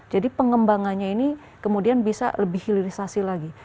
jadi pengembangannya ini kemudian bisa lebih hilirisasi lagi